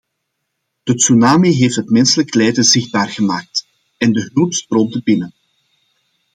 De tsunami heeft het menselijk lijden zichtbaar gemaakt, en de hulp stroomde binnen.